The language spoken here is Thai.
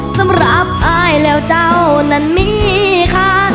สำหรับอายแล้วเจ้านั้นมีค่ะ